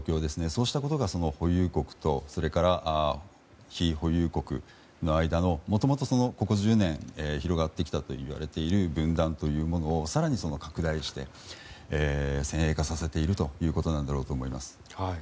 そうしたことが保有国と非保有国の間のもともとここ１０年広がってきたといわれている分断というものを更に拡大して鮮明化させているということなんだろうと思います。